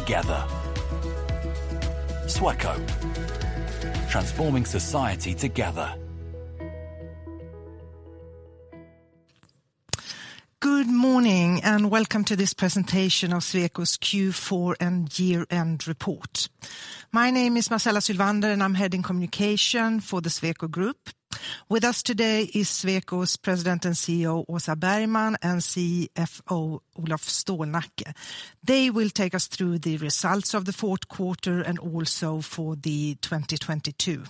Good morning, and welcome to this presentation of Sweco's Q4 and year-end report. My name is Marcela Sylvander, and I'm head in communication for the Sweco Group. With us today is Sweco's president and CEO, Åsa Bergman, and CFO, Olof Stålnacke. They will take us through the results of the Q4 and also for 2022.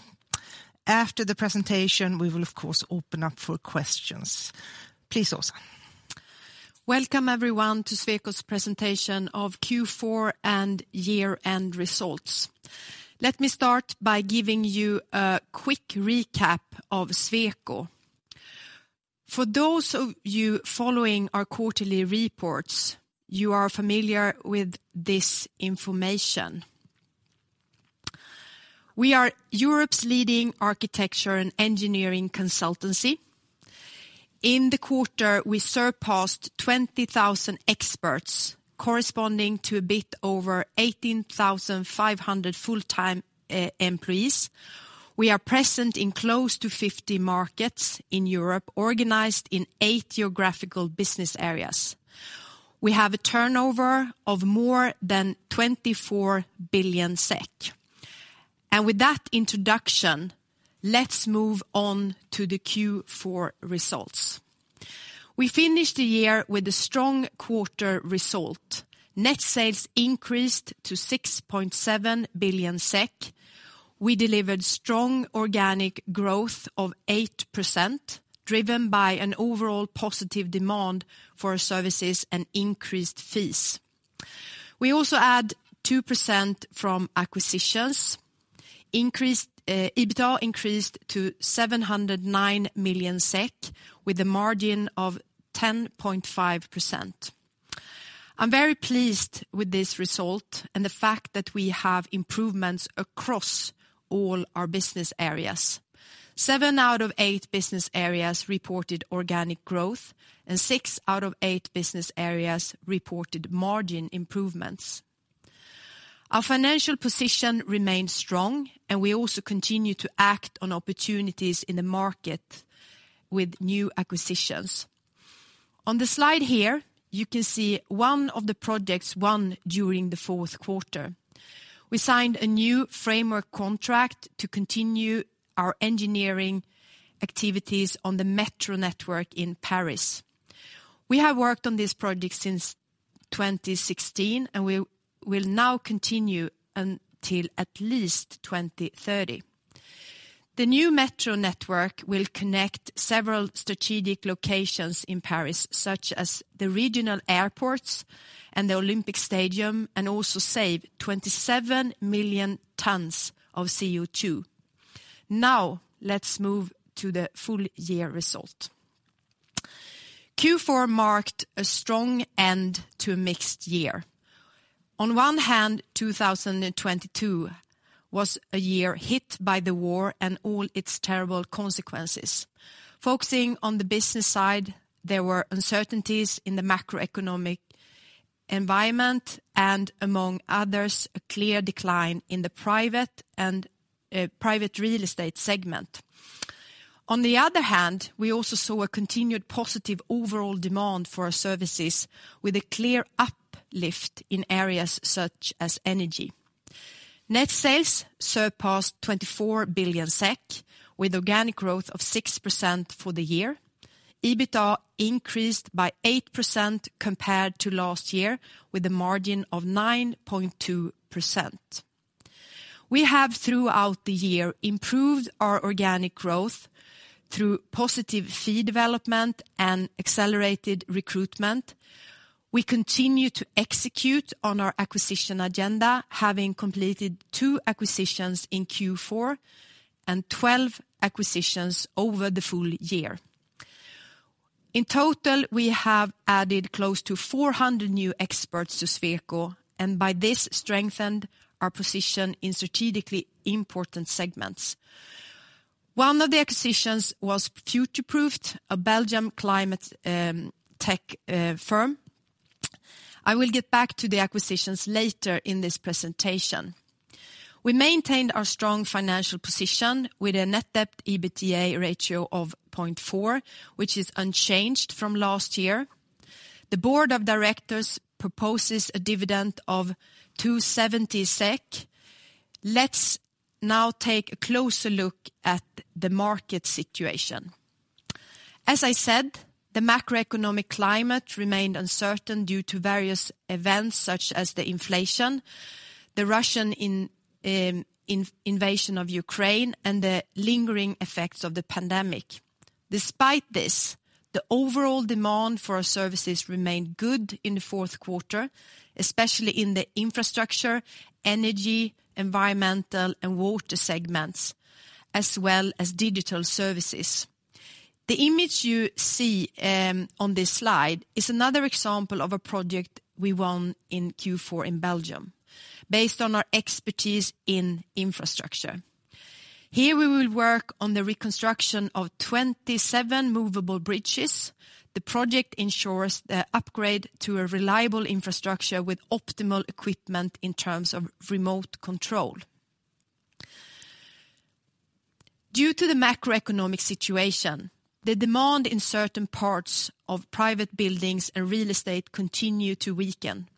After the presentation, we will of course open up for questions. Please, Åsa. Welcome, everyone, to Sweco's presentation of Q4 and year-end results. Let me start by giving you a quick recap of Sweco. For those of you following our quarterly reports, you are familiar with this information. We are Europe's leading architecture and engineering consultancy. In the quarter, we surpassed 20,000 experts corresponding to a bit over 18,500 full-time employees. We are present in close to 50 markets in Europe, organized in 8 geographical business areas. We have a turnover of more than 24 billion SEK. With that introduction, let's move on to the Q4 results. We finished the year with a strong quarter result. Net sales increased to 6.7 billion SEK. We delivered strong organic growth of 8%, driven by an overall positive demand for services and increased fees. We also add 2% from acquisitions. EBITDA increased to 709 million SEK with a margin of 10.5%. I'm very pleased with this result and the fact that we have improvements across all our business areas. Seven out of eight business areas reported organic growth, and six out of eight business areas reported margin improvements. Our financial position remains strong, and we also continue to act on opportunities in the market with new acquisitions. On the slide here, you can see one of the projects won during the Q4. We signed a new framework contract to continue our engineering activities on the metro network in Paris. We have worked on this project since 2016, and we will now continue until at least 2030. The new metro network will connect several strategic locations in Paris, such as the regional airports and the Olympic Stadium, also save 27 million tons of CO2. Let's move to the full year result. Q4 marked a strong end to a mixed year. 2022 was a year hit by the war and all its terrible consequences. Focusing on the business side, there were uncertainties in the macroeconomic environment and, among others, a clear decline in the private and private real estate segment. We also saw a continued positive overall demand for our services with a clear uplift in areas such as energy. Net sales surpassed 24 billion SEK with organic growth of 6% for the year. EBITDA increased by 8% compared to last year with a margin of 9.2%. We have, throughout the year, improved our organic growth through positive fee development and accelerated recruitment. We continue to execute on our acquisition agenda, having completed 2 acquisitions in Q4 and 12 acquisitions over the full year. In total, we have added close to 400 new experts to Sweco, and by this strengthened our position in strategically important segments. One of the acquisitions was Futureproofed, a Belgium climate tech firm. I will get back to the acquisitions later in this presentation. We maintained our strong financial position with a net debt/EBITDA ratio of 0.4, which is unchanged from last year. The board of directors proposes a dividend of 270 SEK. Let's now take a closer look at the market situation. As I said, the macroeconomic climate remained uncertain due to various events such as the inflation, the Russian invasion of Ukraine, and the lingering effects of the pandemic. Despite this, the overall demand for our services remained good in the Q4, especially in the infrastructure, energy, environmental, and water segments, as well as digital services. The image you see on this slide is another example of a project we won in Q4 in Belgium based on our expertise in infrastructure. Here we will work on the reconstruction of 27 movable bridges. The project ensures the upgrade to a reliable infrastructure with optimal equipment in terms of remote control. Due to the macroeconomic situation, the demand in certain parts of private buildings and real estate continue to weaken,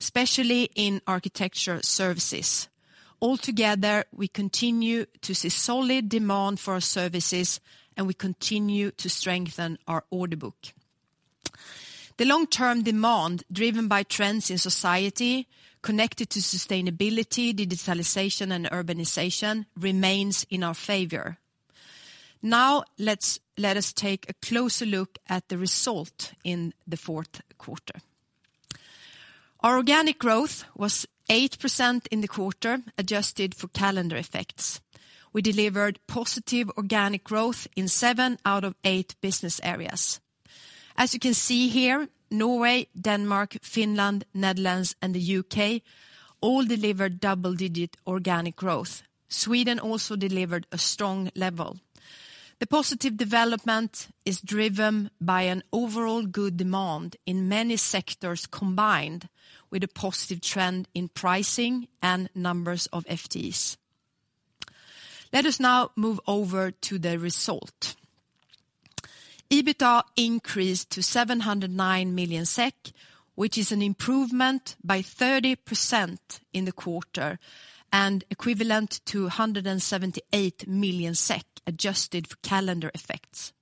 especially in architecture services. Altogether, we continue to see solid demand for our services, and we continue to strengthen our order book. The long-term demand, driven by trends in society connected to sustainability, digitalization, and urbanization, remains in our favor. Now let us take a closer look at the result in the Q4. Our organic growth was 8% in the quarter, adjusted for calendar effects. We delivered positive organic growth in seven out of eight business areas. As you can see here, Norway, Denmark, Finland, Netherlands, and the UK all delivered double-digit organic growth. Sweden also delivered a strong level. The positive development is driven by an overall good demand in many sectors, combined with a positive trend in pricing and numbers of FTEs. Let us now move over to the result. EBITDA increased to 709 million SEK, which is an improvement by 30% in the quarter and equivalent to 178 million SEK adjusted for calendar effects.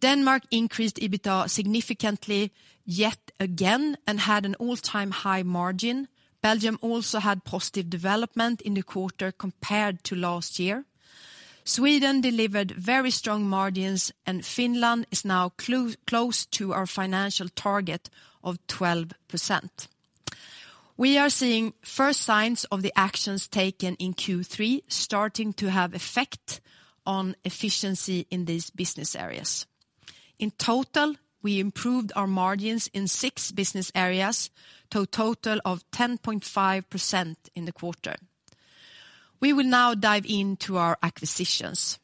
Denmark increased EBITDA significantly yet again and had an all-time high margin. Belgium also had positive development in the quarter compared to last year. Sweden delivered very strong margins. Finland is now close to our financial target of 12%. We are seeing first signs of the actions taken in Q3 starting to have effect on efficiency in these business areas. In total, we improved our margins in six business areas to a total of 10.5% in the quarter. We will now dive into our acquisitions.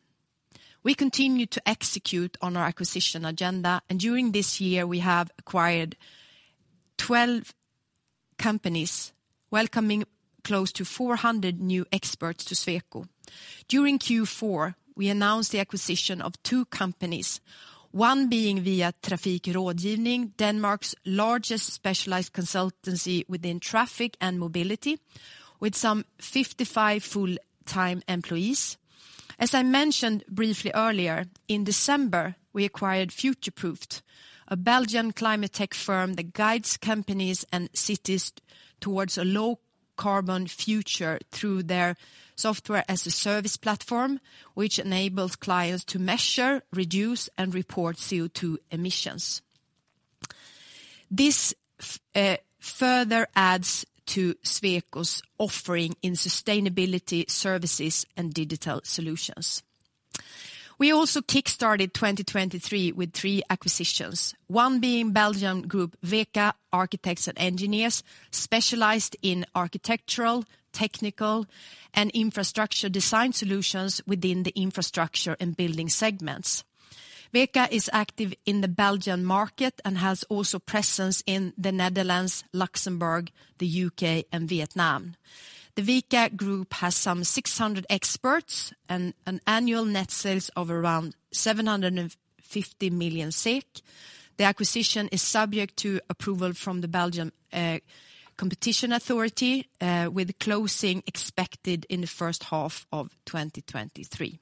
We continue to execute on our acquisition agenda. During this year, we have acquired 12 companies, welcoming close to 400 new experts to Sweco. During Q4, we announced the acquisition of two companies, one being Via Trafik Rådgivning, Denmark's largest specialized consultancy within traffic and mobility, with some 55 full-time employees. As I mentioned briefly earlier, in December, we acquired Futureproofed, a Belgian climate-tech firm that guides companies and cities towards a low carbon future through their software-as-a-service platform, which enables clients to measure, reduce, and report CO2 emissions. This further adds to Sweco's offering in sustainability services and digital solutions. We also kickstarted 2023 with three acquisitions, one being Belgian group VK architects+engineers, specialized in architectural, technical, and infrastructure design solutions within the infrastructure and building segments. VK is active in the Belgian market and has also presence in the Netherlands, Luxembourg, the UK, and Vietnam. The VK group has some 600 experts and an annual net sales of around 750 million SEK. The acquisition is subject to approval from the Belgian Competition Authority, with closing expected in the first half of 2023.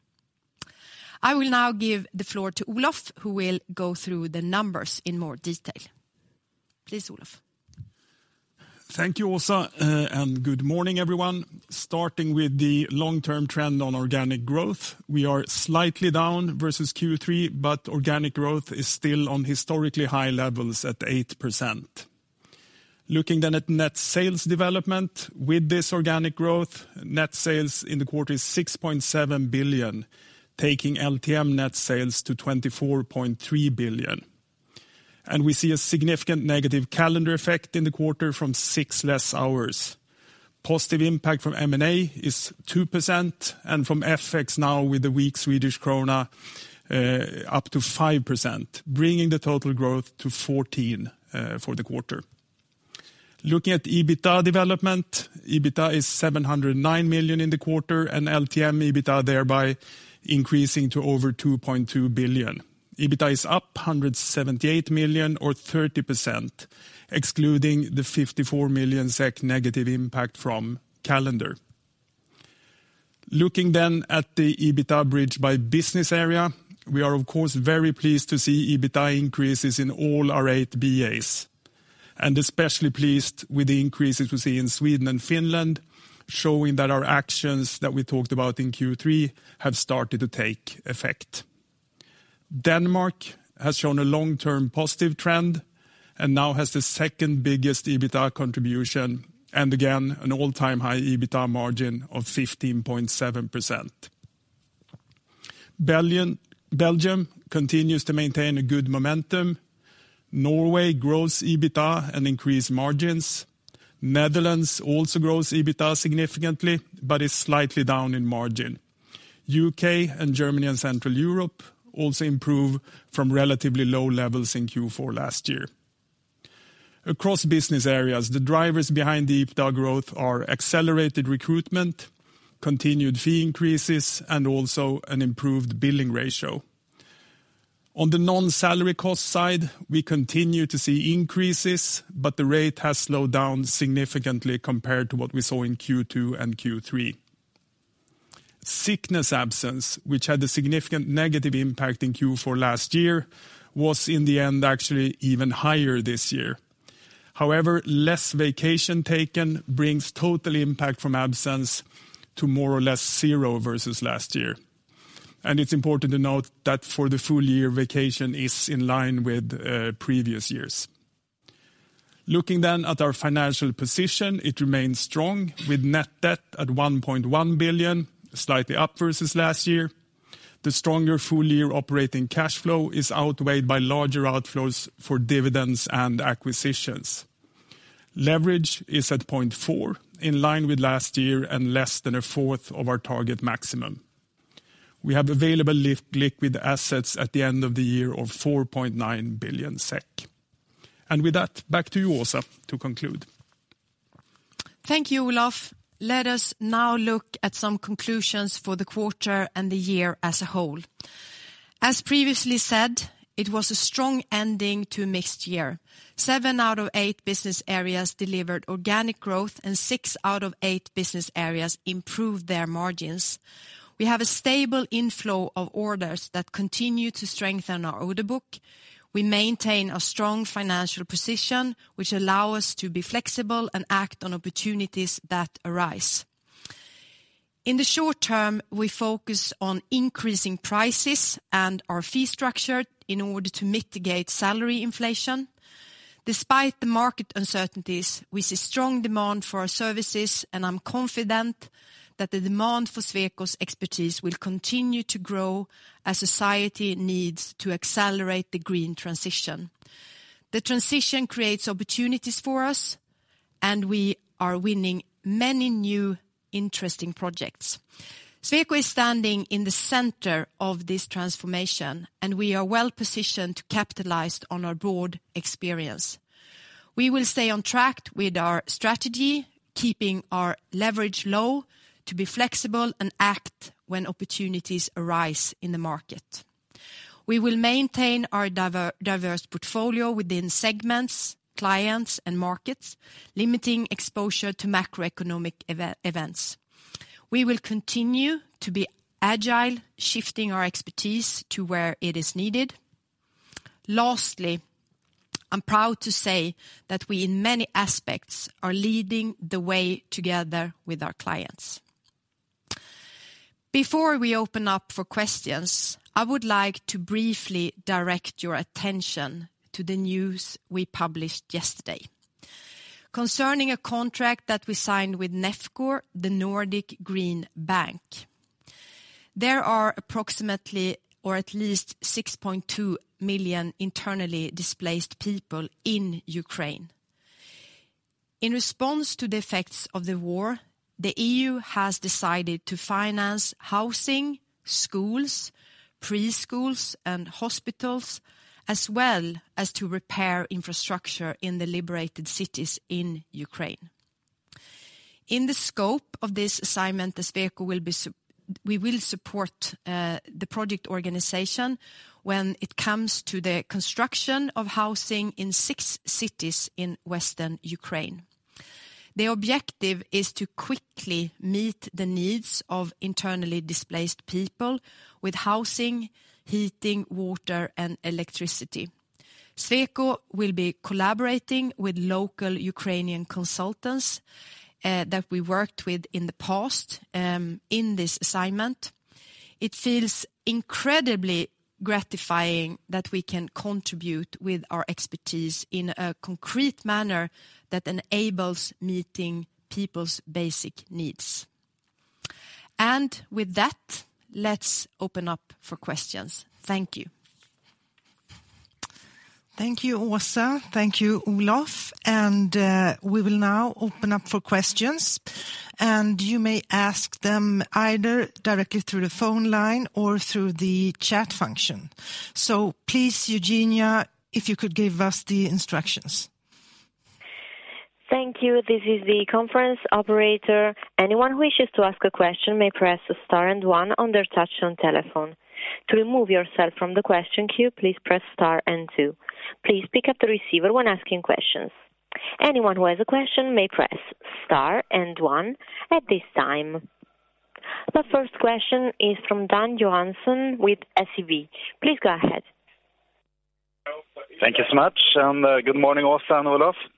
I will now give the floor to Olof, who will go through the numbers in more detail. Please, Olof. Thank you, Åsa, good morning, everyone. Starting with the long-term trend on organic growth, we are slightly down versus Q3, but organic growth is still on historically high levels at 8%. Looking at net sales development with this organic growth, net sales in the quarter is 6.7 billion, taking LTM net sales to 24.3 billion. We see a significant negative calendar effect in the quarter from 6 less hours. Positive impact from M&A is 2%, and from FX now with the weak Swedish krona, up to 5%, bringing the total growth to 14% for the quarter. Looking at EBITDA development, EBITDA is 709 million in the quarter, and LTM EBITDA thereby increasing to over 2.2 billion. EBITDA is up 178 million or 30%, excluding the 54 million SEK negative impact from calendar. Looking at the EBITDA bridge by business area, we are of course very pleased to see EBITDA increases in all our 8 BAs, especially pleased with the increases we see in Sweden and Finland, showing that our actions that we talked about in Q3 have started to take effect. Denmark has shown a long-term positive trend and now has the second biggest EBITDA contribution, and again, an all-time high EBITDA margin of 15.7%. Belgium continues to maintain a good momentum. Norway grows EBITDA and increase margins. Netherlands also grows EBITDA significantly, but is slightly down in margin. U.K. and Germany and Central Europe also improve from relatively low levels in Q4 last year. Across business areas, the drivers behind the EBITDA growth are accelerated recruitment, continued fee increases, and also an improved billing ratio. On the non-salary cost side, we continue to see increases, but the rate has slowed down significantly compared to what we saw in Q2 and Q3. Sickness absence, which had a significant negative impact in Q4 last year, was in the end actually even higher this year. However, less vacation taken brings total impact from absence to more or less zero versus last year. It's important to note that for the full year, vacation is in line with previous years. Looking then at our financial position, it remains strong with net debt at 1.1 billion, slightly up versus last year. The stronger full year operating cash flow is outweighed by larger outflows for dividends and acquisitions. Leverage is at 0.4, in line with last year and less than a fourth of our target maximum. We have available liquid assets at the end of the year of 4.9 billion SEK. With that, back to you, Åsa, to conclude. Thank you, Olof. Let us now look at some conclusions for the quarter and the year as a whole. As previously said, it was a strong ending to a mixed year. 7 out of 8 business areas delivered organic growth, and 6 out of 8 business areas improved their margins. We have a stable inflow of orders that continue to strengthen our order book. We maintain a strong financial position, which allow us to be flexible and act on opportunities that arise. In the short term, we focus on increasing prices and our fee structure in order to mitigate salary inflation. Despite the market uncertainties, we see strong demand for our services, and I'm confident that the demand for Sweco's expertise will continue to grow as society needs to accelerate the green transition. The transition creates opportunities for us, and we are winning many new interesting projects. Sweco is standing in the center of this transformation, and we are well-positioned to capitalize on our broad experience. We will stay on track with our strategy, keeping our leverage low to be flexible and act when opportunities arise in the market. We will maintain our diverse portfolio within segments, clients, and markets, limiting exposure to macroeconomic events. We will continue to be agile, shifting our expertise to where it is needed. Lastly, I'm proud to say that we in many aspects are leading the way together with our clients. Before we open up for questions, I would like to briefly direct your attention to the news we published yesterday concerning a contract that we signed with Nefco, the Nordic Green Bank. There are approximately or at least 6.2 million internally displaced people in Ukraine. In response to the effects of the war, the EU has decided to finance housing, schools, preschools, and hospitals, as well as to repair infrastructure in the liberated cities in Ukraine. In the scope of this assignment, we will support the project organization when it comes to the construction of housing in six cities in Western Ukraine. The objective is to quickly meet the needs of internally displaced people with housing, heating, water, and electricity. Sweco will be collaborating with local Ukrainian consultants that we worked with in the past in this assignment. It feels incredibly gratifying that we can contribute with our expertise in a concrete manner that enables meeting people's basic needs. With that, let's open up for questions. Thank you. Thank you, Åsa. Thank you, Olof. We will now open up for questions, and you may ask them either directly through the phone line or through the chat function. Please, Eugenia, if you could give us the instructions. Thank you. This is the conference operator. Anyone who wishes to ask a question may press star and one on their touch-tone telephone. To remove yourself from the question queue, please press star and two. Please pick up the receiver when asking questions. Anyone who has a question may press star and one at this time. The first question is from Dan Johansson with SEB. Please go ahead. Thank you so much, and, good morning, Åsa and Olof. Good morning.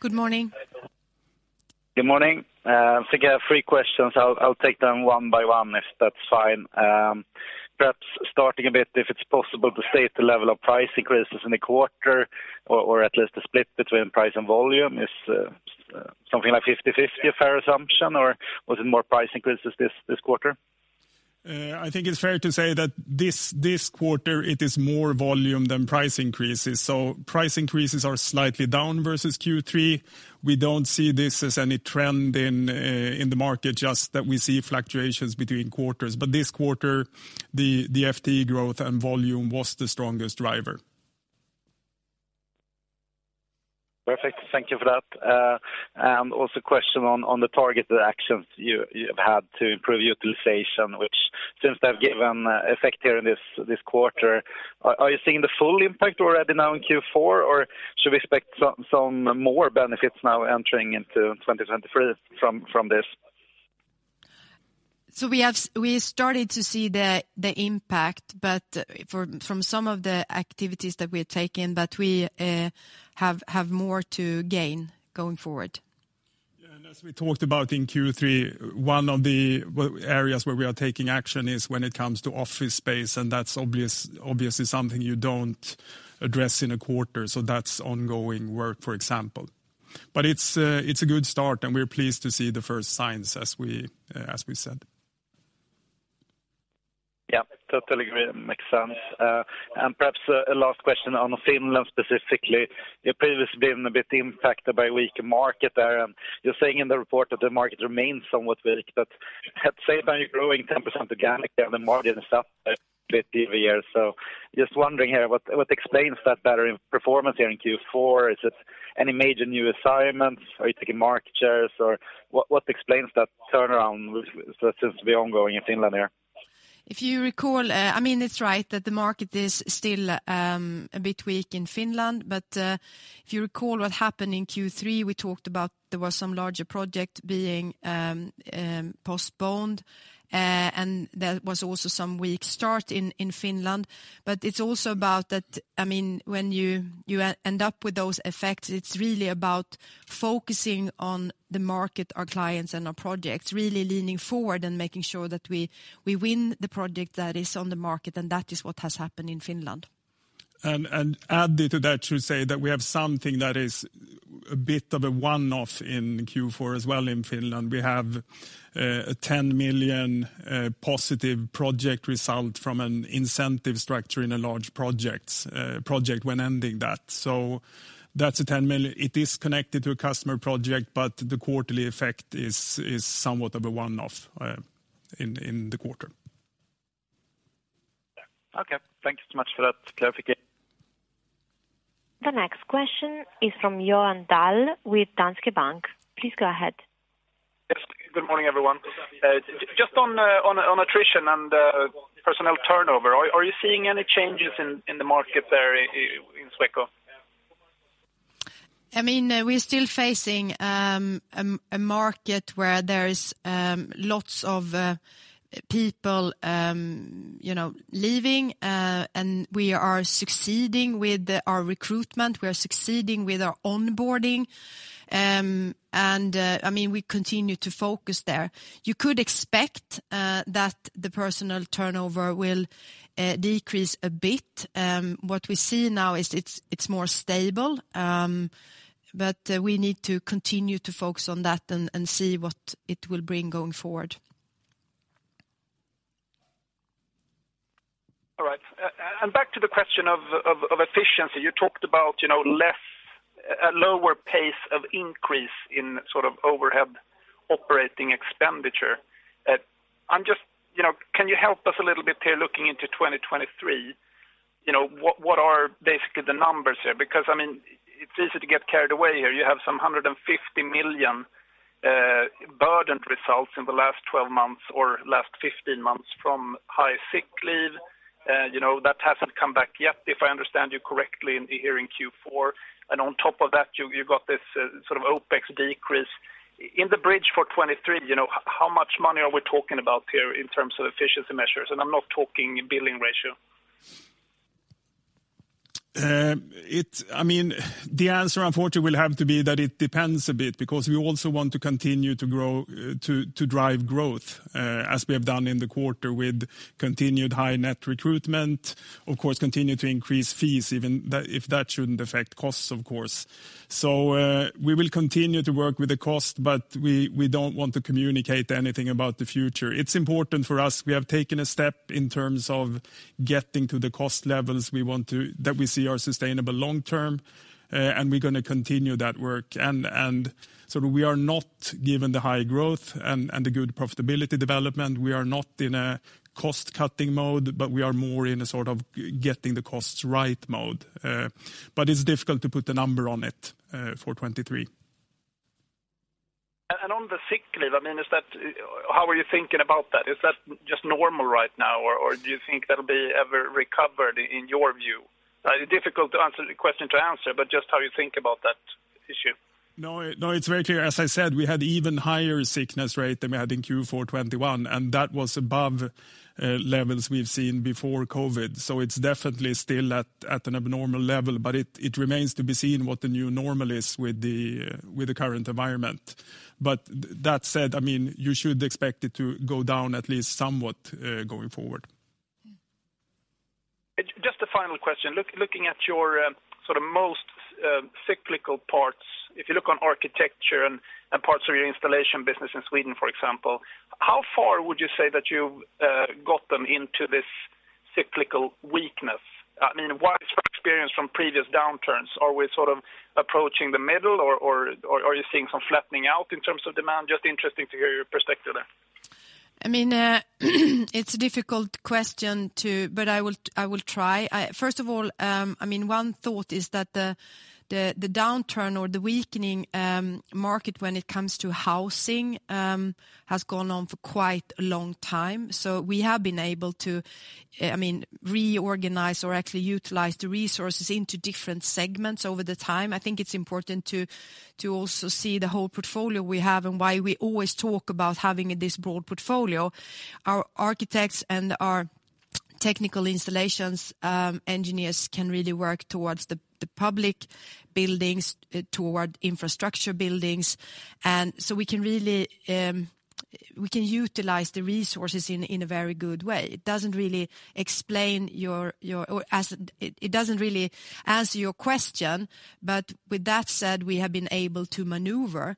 Good morning. Good morning. I think I have three questions. I'll take them one by one, if that's fine. Perhaps starting a bit, if it's possible, to state the level of price increases in the quarter or at least the split between price and volume. Is something like 50/50 a fair assumption, or was it more price increases this quarter? I think it's fair to say that this quarter it is more volume than price increases. Price increases are slightly down versus Q3. We don't see this as any trend in the market, just that we see fluctuations between quarters. This quarter, the FT growth and volume was the strongest driver. Perfect. Thank you for that. Also a question on the targeted actions you have had to improve utilization, which seems to have given effect here in this quarter. Are you seeing the full impact already now in Q4, or should we expect some more benefits now entering into 2023 from this? We have started to see the impact from some of the activities that we have taken, but we have more to gain going forward. Yeah. As we talked about in Q3, one of the areas where we are taking action is when it comes to office space, and that's obviously something you don't address in a quarter. That's ongoing work, for example. It's a good start, and we're pleased to see the first signs, as we said. Yeah, totally agree. Makes sense. Perhaps a last question on Finland specifically. You've previously been a bit impacted by weak market there. You're saying in the report that the market remains somewhat weak, but at the same time you're growing 10% organic there in the market itself this year. Just wondering here, what explains that better performance here in Q4? Is it any major new assignments? Are you taking market shares, or what explains that turnaround that seems to be ongoing in Finland here? If you recall, I mean, it's right that the market is still a bit weak in Finland. If you recall what happened in Q3, we talked about there was some larger project being postponed, and there was also some weak start in Finland. It's also about that, I mean, when you end up with those effects, it's really about focusing on the market, our clients, and our projects, really leaning forward and making sure that we win the project that is on the market, and that is what has happened in Finland. Added to that, to say that we have something that is a bit of a one-off in Q4 as well in Finland. We have a 10 million positive project result from an incentive structure in a large project when ending that. That's a 10 million. It is connected to a customer project, but the quarterly effect is somewhat of a one-off in the quarter. Okay. Thank you so much for that clarification. The next question is from Johan Dahl with Danske Bank. Please go ahead. Yes. Good morning, everyone. Just on attrition and personnel turnover, are you seeing any changes in the market there in Sweco? I mean, we're still facing a market where there is lots of people, you know, leaving. We are succeeding with our recruitment. We are succeeding with our onboarding. I mean, we continue to focus there. You could expect that the personnel turnover will decrease a bit. What we see now is it's more stable. We need to continue to focus on that and see what it will bring going forward. All right. Back to the question of efficiency. You talked about, you know, a lower pace of increase in sort of overhead OpEx. You know, can you help us a little bit here looking into 2023? You know, what are basically the numbers here? I mean, it's easy to get carried away here. You have some 150 million Current results in the last 12 months or last 15 months from high sick leave, you know, that hasn't come back yet, if I understand you correctly, in hearing Q4. On top of that, you got this sort of OPEX decrease. In the bridge for 2023, you know, how much money are we talking about here in terms of efficiency measures? I'm not talking billing ratio. I mean, the answer, unfortunately, will have to be that it depends a bit because we also want to continue to grow, to drive growth, as we have done in the quarter with continued high net recruitment. Of course, continue to increase fees, even that, if that shouldn't affect costs, of course. We will continue to work with the cost, but we don't want to communicate anything about the future. It's important for us. We have taken a step in terms of getting to the cost levels that we see are sustainable long term, and we're gonna continue that work. We are not given the high growth and the good profitability development. We are not in a cost-cutting mode, but we are more in a sort of getting the costs right mode. It's difficult to put a number on it, for 2023. On the sick leave, I mean, is that, how are you thinking about that? Is that just normal right now? Or do you think that'll be ever recovered in your view? difficult to answer, question to answer, but just how you think about that issue? No, no, it's very clear. As I said, we had even higher sickness rate than we had in Q4 2021, and that was above levels we've seen before COVID. It's definitely still at an abnormal level, but it remains to be seen what the new normal is with the current environment. That said, I mean, you should expect it to go down at least somewhat going forward. Just a final question. Looking at your, sort of most, cyclical parts, if you look on architecture and parts of your installation business in Sweden, for example, how far would you say that you got them into this cyclical weakness? I mean, what is your experience from previous downturns? Are we sort of approaching the middle or are you seeing some flattening out in terms of demand? Just interesting to hear your perspective there. I mean, it's a difficult question to, I will try. First of all, one thought is that the downturn or the weakening market when it comes to housing has gone on for quite a long time. We have been able to reorganize or actually utilize the resources into different segments over the time. I think it's important to also see the whole portfolio we have and why we always talk about having this broad portfolio. Our architects and our technical installations engineers can really work towards the public buildings, toward infrastructure buildings. We can really, we can utilize the resources in a very good way. It doesn't really explain your, or as it doesn't really answer your question. With that said, we have been able to maneuver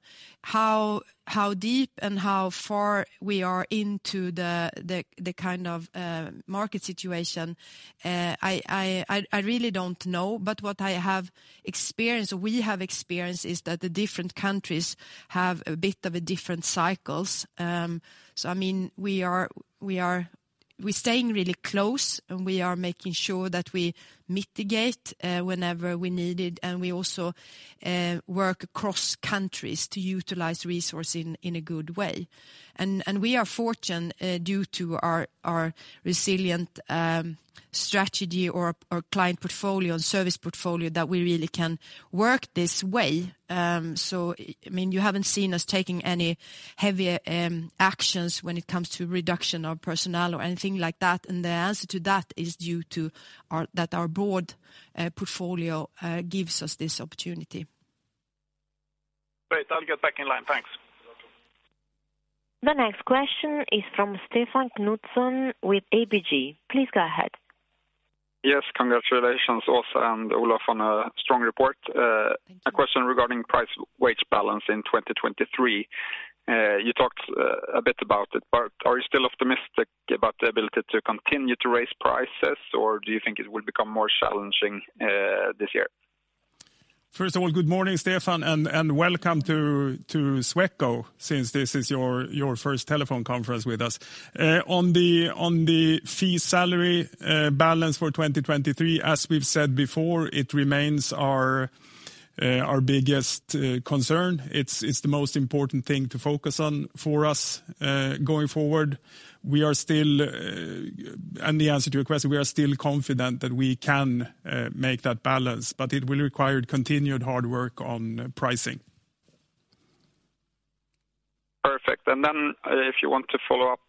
how deep and how far we are into the kind of market situation. I really don't know. What I have experienced, we have experienced is that the different countries have a bit of a different cycles. I mean, we are staying really close, and we are making sure that we mitigate whenever we need it. We also work across countries to utilize resource in a good way. We are fortunate due to our resilient strategy or client portfolio and service portfolio that we really can work this way. I mean, you haven't seen us taking any heavier actions when it comes to reduction of personnel or anything like that. The answer to that is that our broad portfolio gives us this opportunity. Great. I'll get back in line. Thanks. The next question is from Stefan Knutsson with ABG. Please go ahead. Yes. Congratulations, Åsa and Olof, on a strong report. A question regarding price-wage balance in 2023. You talked a bit about it, but are you still optimistic about the ability to continue to raise prices, or do you think it will become more challenging this year? First of all, good morning, Stefan, and welcome to Sweco since this is your first telephone conference with us. On the fee salary balance for 2023, as we've said before, it remains our biggest concern. It's the most important thing to focus on for us going forward. We are still. The answer to your question, we are still confident that we can make that balance, but it will require continued hard work on pricing. Perfect. If you want to follow up,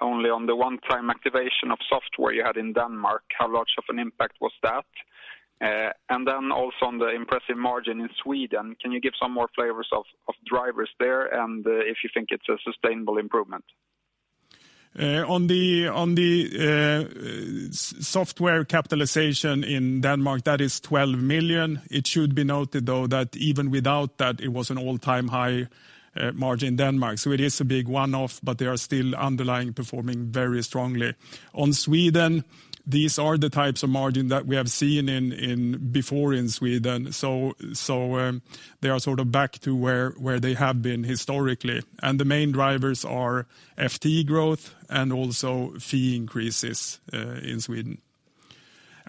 only on the one-time activation of software you had in Denmark, how large of an impact was that? Also on the impressive margin in Sweden, can you give some more flavors of drivers there and, if you think it's a sustainable improvement? On the, on the software capitalization in Denmark, that is 12 million. It should be noted, though, that even without that, it was an all-time high margin Denmark. It is a big one-off, but they are still underlying performing very strongly. On Sweden, these are the types of margin that we have seen before in Sweden. They are sort of back to where they have been historically, and the main drivers are FTE growth and also fee increases in Sweden.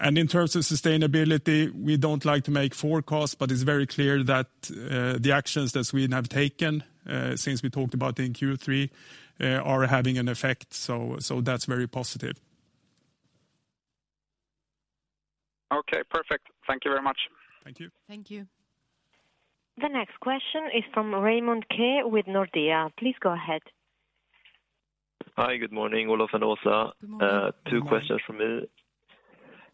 In terms of sustainability, we don't like to make forecasts, but it's very clear that the actions that Sweden have taken since we talked about in Q3 are having an effect. That's very positive. Okay, perfect. Thank you very much. Thank you. Thank you. The next question is from Raymond Ke with Nordea. Please go ahead. Hi, good morning, Olof and Åsa. [Good morning.] Two questions from me.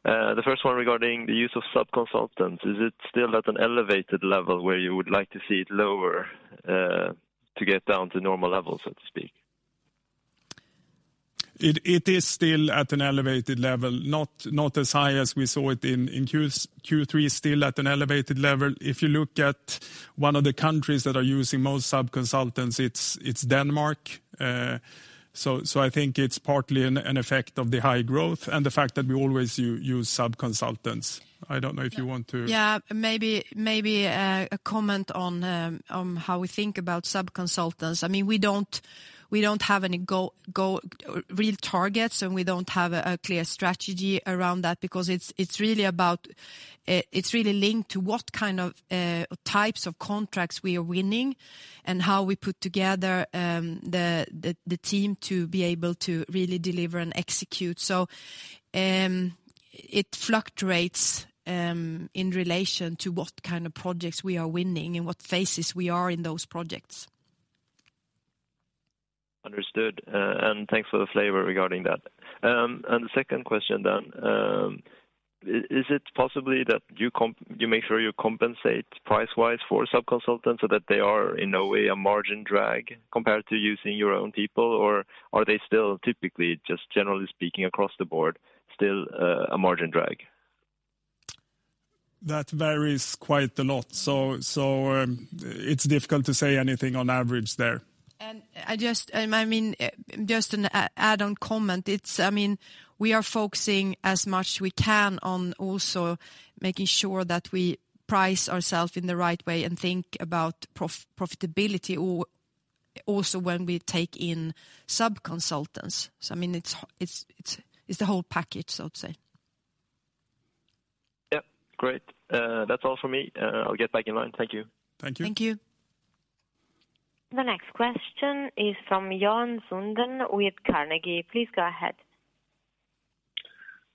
The first one regarding the use of sub-consultants, is it still at an elevated level where you would like to see it lower to get down to normal levels, so to speak? It is still at an elevated level, not as high as we saw it in Q3, still at an elevated level. If you look at one of the countries that are using most sub-consultants, it's Denmark. I think it's partly an effect of the high growth and the fact that we always use sub-consultants. I don't know if you want to. Yeah. Maybe a comment on how we think about sub-consultants. I mean, we don't have any go real targets, and we don't have a clear strategy around that because it's really about, it's really linked to what kind of types of contracts we are winning and how we put together the team to be able to really deliver and execute. It fluctuates in relation to what kind of projects we are winning and what phases we are in those projects. Understood. Thanks for the flavor regarding that. The second question then, is it possibly that you make sure you compensate price-wise for sub-consultants so that they are, in a way, a margin drag compared to using your own people? Are they still typically, just generally speaking across the board, still, a margin drag? That varies quite a lot, so it's difficult to say anything on average there. I just, I mean, just an add-on comment. It's, I mean, we are focusing as much as we can on also making sure that we price ourself in the right way and think about profitability also when we take in sub-consultants. I mean, it's the whole package, so to say. Great. That's all for me. I'll get back in line. Thank you. Thank you. Thank you. The next question is from Johan Sundén with Carnegie. Please go ahead.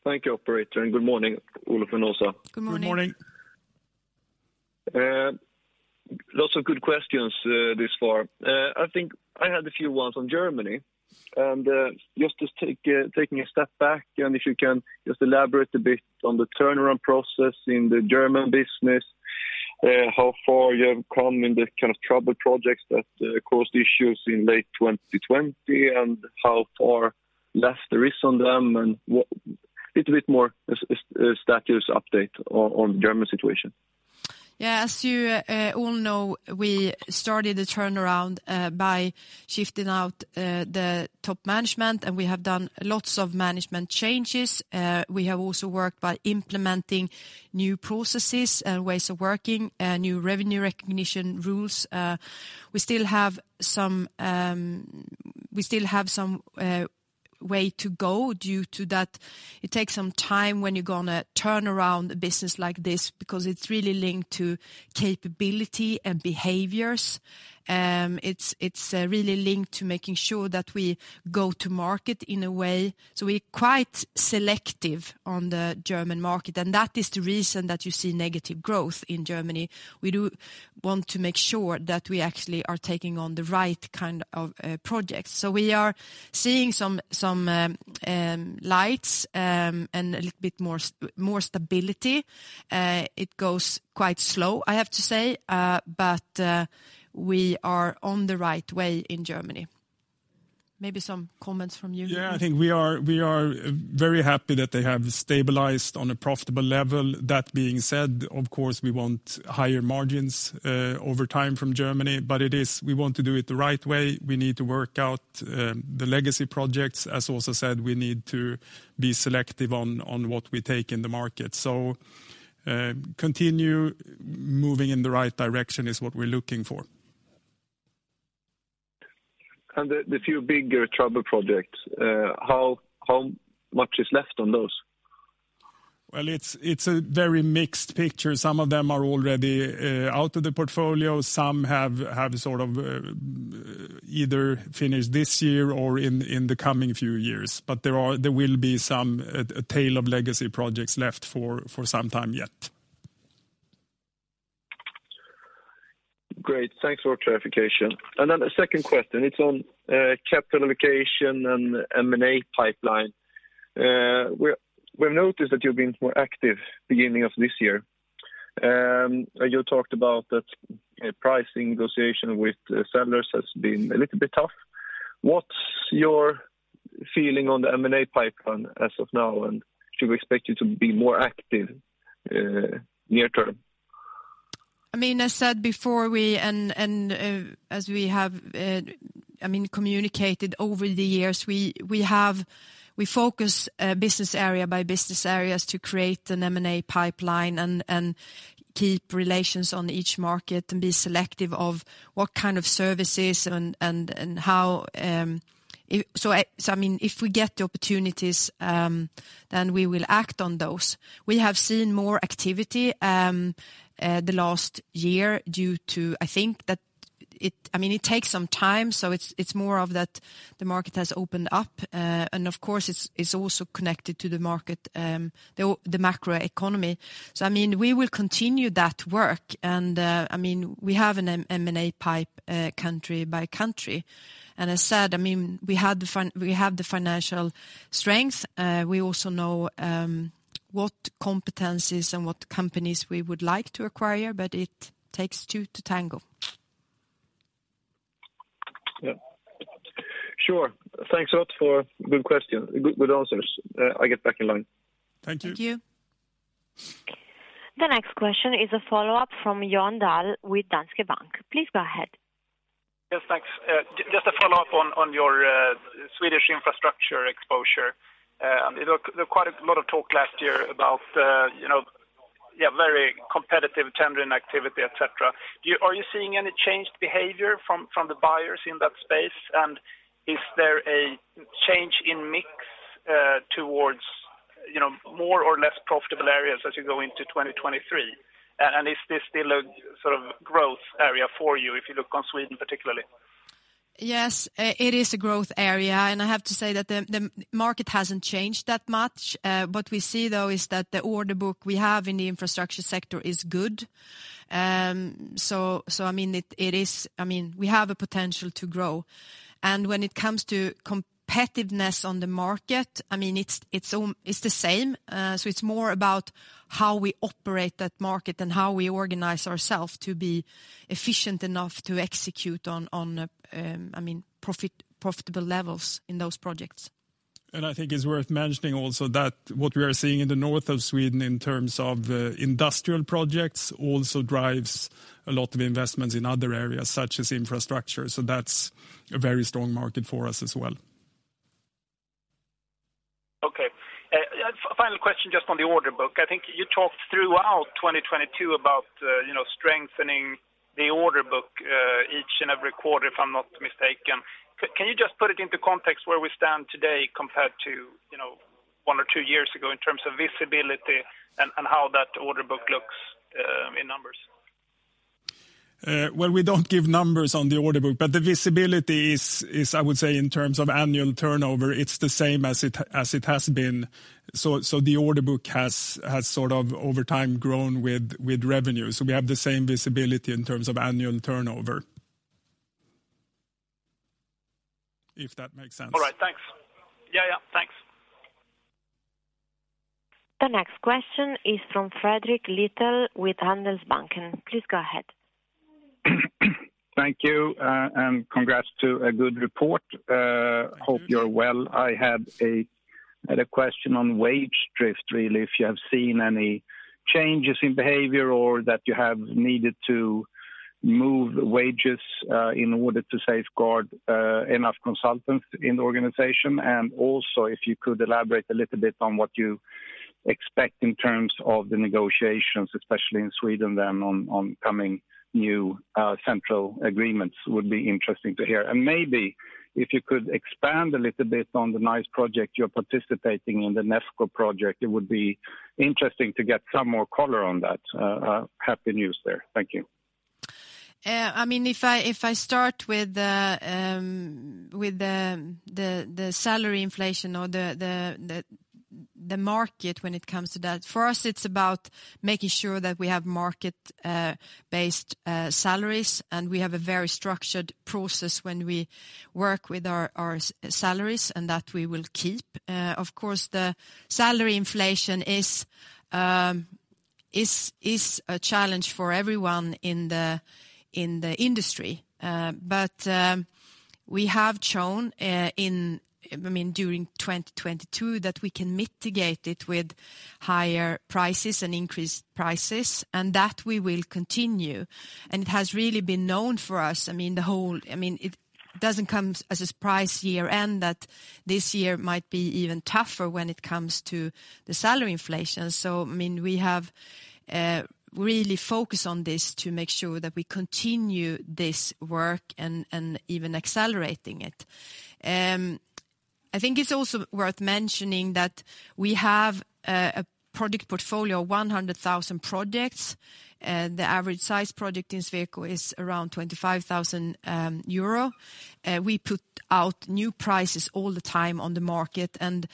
Thank you, operator, and good morning, Olof and Åsa. Good morning. Good morning. Lots of good questions thus far. I think I had a few ones on Germany. Just take a step back, and if you can just elaborate a bit on the turnaround process in the German business, how far you have come in the kind of troubled projects that caused issues in late 2020, and how far left there is on them, and little bit more status update on German situation. As you all know, we started the turnaround by shifting out the top management, and we have done lots of management changes. We have also worked by implementing new processes and ways of working, new revenue recognition rules. We still have some way to go due to that it takes some time when you're gonna turn around a business like this because it's really linked to capability and behaviors. It's really linked to making sure that we go to market in a way so we're quite selective on the German market, and that is the reason that you see negative growth in Germany. We do want to make sure that we actually are taking on the right kind of projects. We are seeing some lights, and a little bit more stability. It goes quite slow, I have to say, but we are on the right way in Germany. Maybe some comments from you. Yeah. I think we are very happy that they have stabilized on a profitable level. That being said, of course, we want higher margins over time from Germany, but it is, we want to do it the right way. We need to work out the legacy projects. As Åsa said, we need to be selective on what we take in the market. Continue moving in the right direction is what we're looking for. The few bigger trouble projects, how much is left on those? Well, it's a very mixed picture. Some of them are already out of the portfolio. Some have sort of either finished this year or in the coming few years. But there are, there will be some, a tail of legacy projects left for some time yet. Great. Thanks for clarification. A second question, it's on capital allocation and M&A pipeline. We've noticed that you've been more active beginning of this year. You talked about that pricing negotiation with sellers has been a little bit tough. What's your feeling on the M&A pipeline as of now, and should we expect you to be more active, near term? I mean, as said before, we, and as we have I mean, communicated over the years. We focus business area by business areas to create an M&A pipeline and keep relations on each market and be selective of what kind of services and how. I mean, if we get the opportunities, then we will act on those. We have seen more activity the last year due to, I think, I mean, it takes some time, so it's more of that the market has opened up. Of course, it's also connected to the market the macro economy. I mean, we will continue that work. I mean, we have an M&A pipe country by country. As said, I mean, we have the financial strength. We also know what competencies and what companies we would like to acquire, but it takes two to tango. Yeah. Sure. Thanks a lot for good question. Good, good answers. I get back in line. Thank you. Thank you. The next question is a follow-up from Johan Dahl with Danske Bank. Please go ahead. Yes, thanks. Just a follow-up on your Swedish infrastructure exposure. You know, there quite a lot of talk last year about, you know, very competitive tendering activity, et cetera. Are you seeing any changed behavior from the buyers in that space? Is there a change in mix towards, you know, more or less profitable areas as you go into 2023? Is this still a sort of growth area for you if you look on Sweden particularly? Yes, it is a growth area. I have to say that the market hasn't changed that much. What we see though is that the order book we have in the infrastructure sector is good. I mean, it is. I mean, we have a potential to grow. When it comes to competitiveness on the market, I mean, it's the same. It's more about how we operate that market than how we organize ourself to be efficient enough to execute on a, I mean, profitable levels in those projects. I think it's worth mentioning also that what we are seeing in the north of Sweden in terms of industrial projects also drives a lot of investments in other areas such as infrastructure, so that's a very strong market for us as well. Okay. Final question just on the order book. I think you talked throughout 2022 about, you know, strengthening the order book, each and every quarter, if I'm not mistaken. Can you just put it into context where we stand today compared to, you know, one or two years ago in terms of visibility and how that order book looks in numbers? Well, we don't give numbers on the order book, but the visibility is I would say in terms of annual turnover, it's the same as it has been. The order book has sort of over time grown with revenue. We have the same visibility in terms of annual turnover. If that makes sense. All right. Thanks. Yeah, yeah. Thanks. The next question is from Fredrik Lithell with Handelsbanken. Please go ahead. Thank you. Congrats to a good report. Hope you're well. I had a question on wage drift, really. If you have seen any changes in behavior or that you have needed to move wages, in order to safeguard enough consultants in the organization? Also, if you could elaborate a little bit on what you expect in terms of the negotiations, especially in Sweden then on coming new central agreements, would be interesting to hear? Maybe if you could expand a little bit on the nice project you're participating in, the Nefco project? It would be interesting to get some more color on that. Happy news there. Thank you. I mean, if I, if I start with the, with the, the salary inflation or the, the market when it comes to that, for us, it's about making sure that we have market based salaries, and we have a very structured process when we work with our salaries, and that we will keep. Of course, the salary inflation is a challenge for everyone in the, in the industry. We have shown, in, I mean, during 2022 that we can mitigate it with higher prices and increased prices, and that we will continue. It has really been known for us, I mean, it doesn't come as a surprise year-end that this year might be even tougher when it comes to the salary inflation. I mean, we have really focused on this to make sure that we continue this work and even accelerating it. I think it's also worth mentioning that we have a product portfolio of 100,000 projects. The average size project in Sweco is around 25,000 euro. We put out new prices all the time on the market, and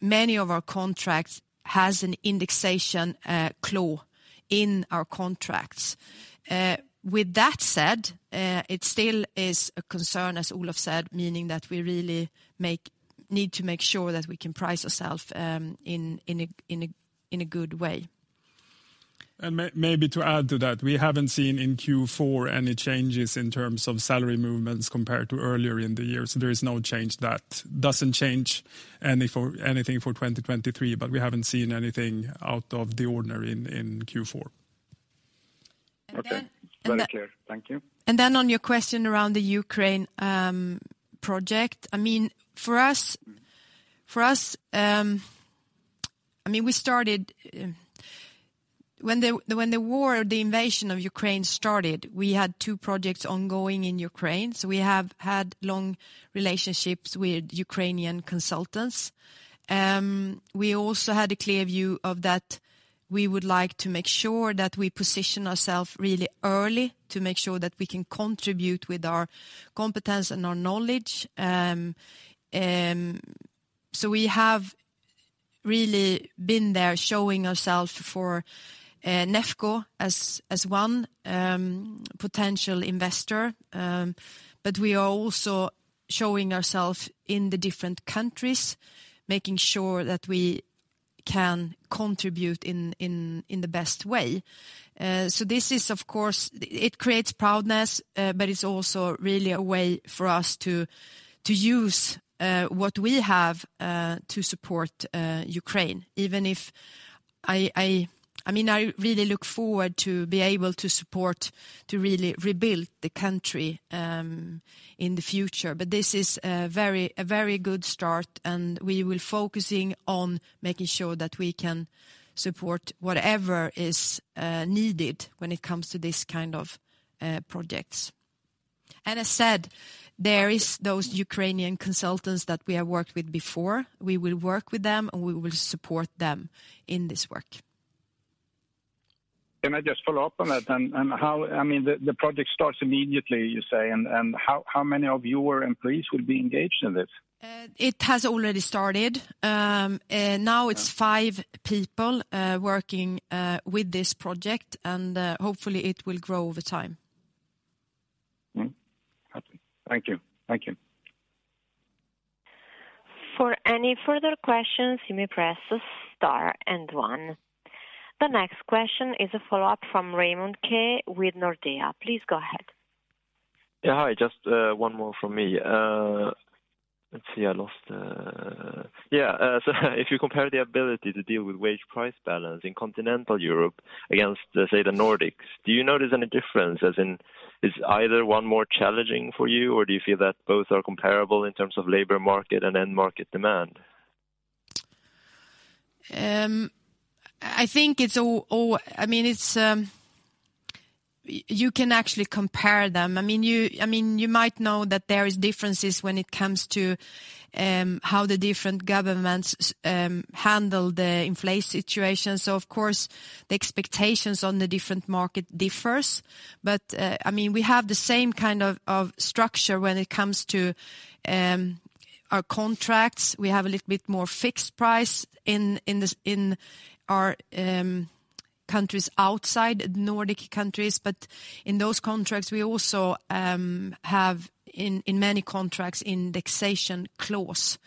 many of our contracts has an indexation claw in our contracts. With that said, it still is a concern, as Olof said, meaning that we really need to make sure that we can price ourself in a good way. Maybe to add to that, we haven't seen in Q4 any changes in terms of salary movements compared to earlier in the year. There is no change that doesn't change anything for 2023, but we haven't seen anything out of the ordinary in Q4. Okay. Very clear. Thank you. On your question around the Ukraine project. For us, for us, when the war, the invasion of Ukraine started, we had two projects ongoing in Ukraine, so we have had long relationships with Ukrainian consultants. We also had a clear view of that we would like to make sure that we position ourselves really early to make sure that we can contribute with our competence and our knowledge. We have really been there showing ourselves for Nefco as as one potential investor, but we are also showing ourselves in the different countries, making sure that we can contribute in the best way. This is, of course It creates proudness, but it's also really a way for us to use what we have to support Ukraine. Even if I mean, I really look forward to be able to support to really rebuild the country in the future. This is a very good start, and we will focusing on making sure that we can support whatever is needed when it comes to this kind of projects. I said, there is those Ukrainian consultants that we have worked with before. We will work with them, and we will support them in this work. Can I just follow up on that? I mean, the project starts immediately, you say. How many of your employees will be engaged in this? It has already started. Now it's 5 people working with this project, and hopefully it will grow over time. Okay. Thank you. Thank you. For any further questions, you may press star and one. The next question is a follow-up from Raymond Ke with Nordea. Please go ahead. Yeah, hi. Just, one more from me. Let's see, I lost the. If you compare the ability to deal with wage price balance in continental Europe against, let's say, the Nordics, do you notice any difference? As in, is either one more challenging for you, or do you feel that both are comparable in terms of labor market and end market demand? I think it's all. I mean, it's, you can actually compare them. I mean, you, I mean, you might know that there are differences when it comes to how the different governments handle the inflation situation. Of course, the expectations on the different market differ. I mean, we have the same kind of structure when it comes to our contracts. We have a little bit more fixed price in this, in our countries outside Nordic countries. In those contracts, we also have in many contracts indexation clause.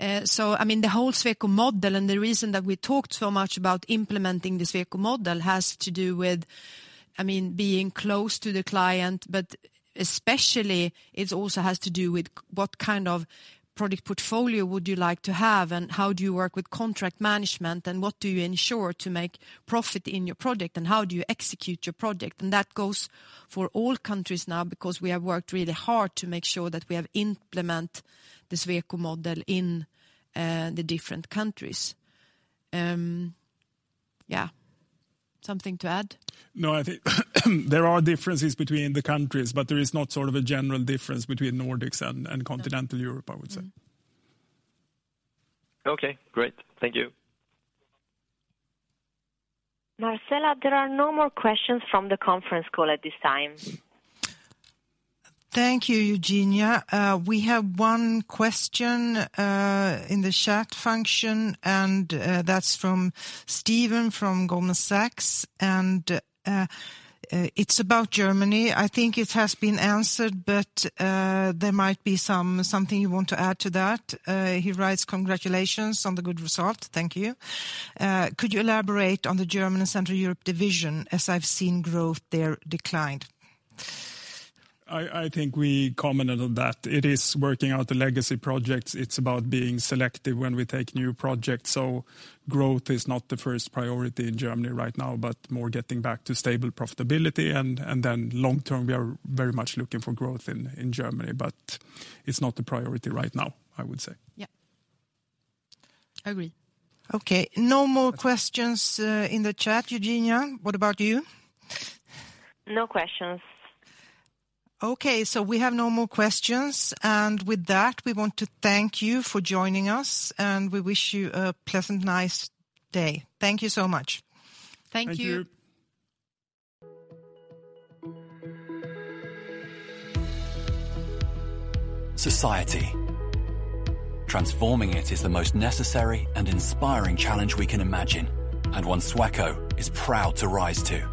I mean, the whole Sweco Model and the reason that we talked so much about implementing the Sweco Model has to do with, I mean, being close to the client, but especially it also has to do with what kind of product portfolio would you like to have, and how do you work with contract management, and what do you ensure to make profit in your project, and how do you execute your project? That goes for all countries now because we have worked really hard to make sure that we have implement the Sweco Model in the different countries. Yeah. Something to add? I think there are differences between the countries, but there is not sort of a general difference between Nordics and continental Europe, I would say. Okay, great. Thank you. Marcela, there are no more questions from the conference call at this time. Thank you, Eugenia. We have one question in the chat function, that's from Steven from Goldman Sachs. It's about Germany. I think it has been answered, there might be something you want to add to that. He writes, "Congratulations on the good result." Thank you. "Could you elaborate on the German and Central Europe division, as I've seen growth there declined? I think we commented on that. It is working out the legacy projects. It's about being selective when we take new projects. Growth is not the first priority in Germany right now, but more getting back to stable profitability. Then long term, we are very much looking for growth in Germany, but it's not the priority right now, I would say. Yeah. Agree. Okay. No more questions, in the chat. Eugenia, what about you? No questions. Okay. We have no more questions. With that, we want to thank you for joining us, and we wish you a pleasant, nice day. Thank you so much. Thank you. Thank you.